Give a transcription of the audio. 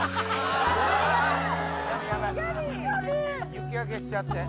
雪焼けしちゃって。